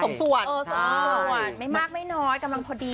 สมส่วนไม่มากไม่น้อยกำลังพอดี